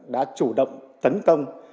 đã chủ động tấn công